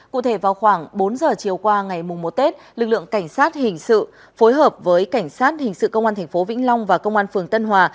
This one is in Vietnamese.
cụ thể vào khoảng bốn giờ chiều qua ngày một tết lực lượng cảnh sát hình sự phối hợp với cảnh sát hình sự công an tp vĩnh long và công an phường tân hòa